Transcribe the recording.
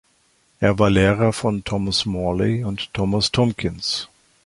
Er war Lehrer von Thomas Morley und Thomas Tomkins.